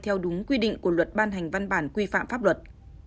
theo đúng quy định của luật ban hành văn bản quy phạm pháp luật